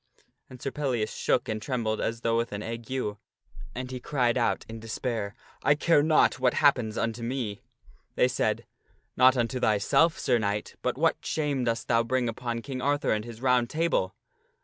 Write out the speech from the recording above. And Sir Pellias shook and trembled as though with an ague, and he cried out in great despair, "I care not what happens unto me!" They said, "Not unto thyself, Sir 238 THE STORY OF SIR PELLIAS Knight ; but what shame dost thou bring upon King Arthur and his Round Table